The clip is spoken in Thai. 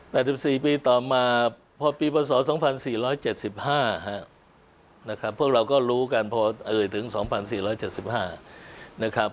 ๘๔ปีต่อมาพอปีพศ๒๔๗๕นะครับพวกเราก็รู้กันพอเอ่ยถึง๒๔๗๕นะครับ